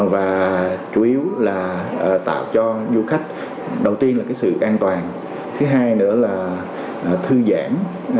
và chủ yếu là tạo cho du khách đầu tiên là sự an toàn thứ hai nữa là thư giãn